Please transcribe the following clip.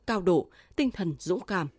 cao độ tinh thần dũng cảm